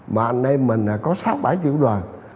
mà anh em mình là có sáu bảy tiêu đoàn